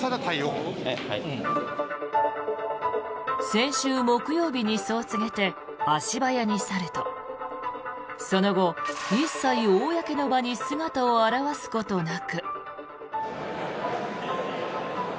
先週木曜日に、そう告げて足早に去るとその後、一切公の場に姿を現すことなく。